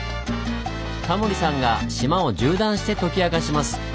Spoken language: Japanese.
タモリさんが島を縦断して解き明かします。